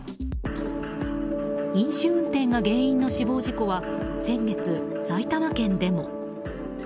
飲酒運転が原因の死亡事故は先月、埼玉県でも。